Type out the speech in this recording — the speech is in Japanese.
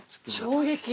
衝撃。